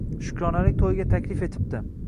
Shukronalik to`yiga taklif etibdi